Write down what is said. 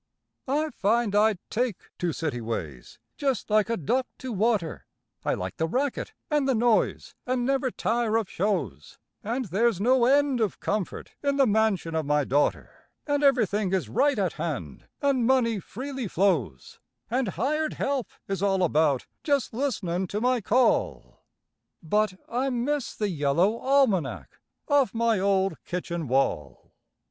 I find I take to city ways just like a duck to water; I like the racket and the noise and never tire of shows; And there's no end of comfort in the mansion of my daughter, And everything is right at hand and money freely flows; And hired help is all about, just listenin' to my call— But I miss the yellow almanac off my old kitchen wall.